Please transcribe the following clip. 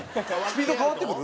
スピード変わってくる？